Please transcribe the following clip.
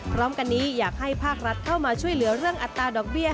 พร้อมกันนี้อยากให้ภาครัฐเข้ามาช่วยเหลือเรื่องอัตราดอกเบี้ย